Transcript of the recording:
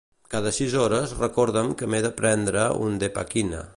Cada sis hores recorda'm que m'he de prendre un Depakine.